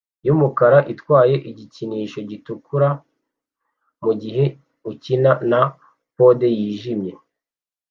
yumukara itwaye igikinisho gitukura mugihe ukina na pode yijimye